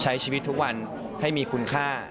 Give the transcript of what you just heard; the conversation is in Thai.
ใช้ชีวิตทุกวันให้มีคุณค่า